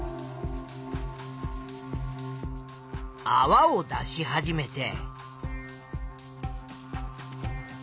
あわを出し始めて。